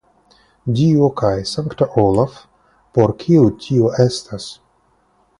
Dio kaj sankta Olaf, por kiu tio estas?